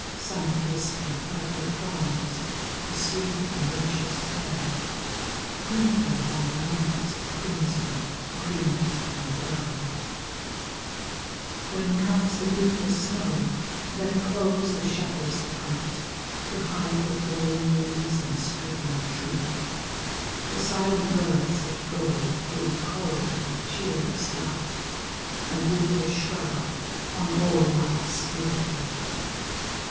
Sun kissed and purple plimis, The sweet and luscious pear. Bring her on leaves of crimson, green, and brown. THE SAD YEARS TO BID HER LIVE (Continued) When comes the winter snow, Then close the shutters tight To hide the falling leaves and stricken tree, The silent birds that go. Through cold and cheerless light. And winter's shroud on all life's liberty.